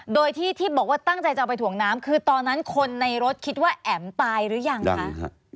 โดยที่บอกว่าตั้งใจจะเอาไปถ่วงน้ำคือตอนนั้นคนในรถคิดว่าแอ๋มตายหรือยังคะ